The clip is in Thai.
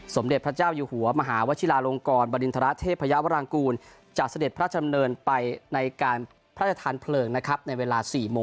สมเด็จพระเจ้าอยู่หัวมหาวัจฺลาลงกรบริณฑราเทพพญาพระลางกูล